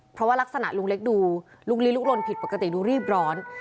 เพราะว่ารักษณะลุงเล็กดูลุงลีลุกลนผิดปกติดูรีบร้อน